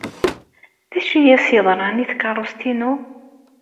D acu ay as-yeḍran i tkeṛṛust-inu?